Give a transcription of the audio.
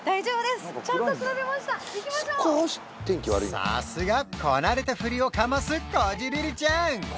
さすがこなれたふりをかますこじるりちゃん！